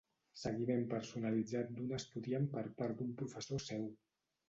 Seguiment personalitzat d'un estudiant per part d'un professor seu.